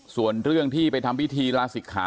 ส่วนเรื่องที่ไปทำพิธีลาศิกขา